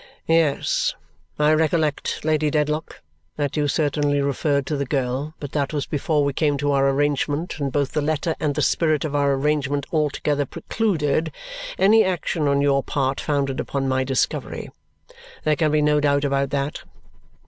"Yes. I recollect, Lady Dedlock, that you certainly referred to the girl, but that was before we came to our arrangement, and both the letter and the spirit of our arrangement altogether precluded any action on your part founded upon my discovery. There can be no doubt about that.